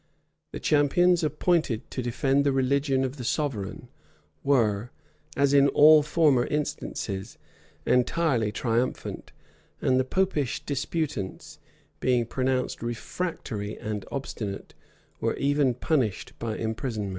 The champions appointed to defend the religion of the sovereign were, as in all former instances, entirely triumphant; and the Popish disputants, being pronounced refractory and obstinate, were even punished by imprisonment.